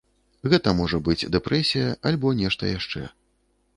Гэта можа быць дэпрэсія альбо нешта яшчэ.